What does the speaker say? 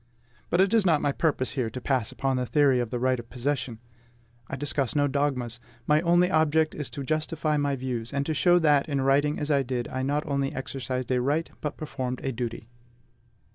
But it is not my purpose here to pass upon the theory of the right of possession. I discuss no dogmas. My only object is to justify my views, and to show that, in writing as I did, I not only exercised a right, but performed a duty.